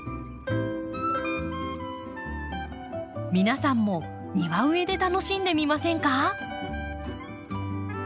皆さんも庭植えで楽しんでみませんか？